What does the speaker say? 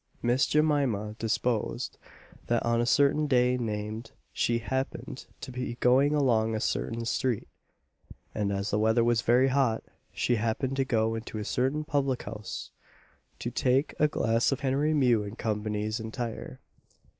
Miss Jemima deposed, that on a certain day named, she happened to be going along a certain street, and, as the weather was very hot, she happened to go into a certain public house to take a glass of Henry Meux and Co.'s entire.